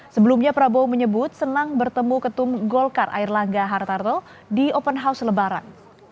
sebelumnya prabowo menyebut senang bertemu ketum golkar air langga hartarto di open house lebaran